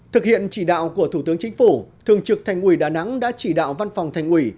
thực hiện chỉ đạo của thủ tướng chính phủ thường trực thành ủy đà nẵng đã chỉ đạo văn phòng thành ủy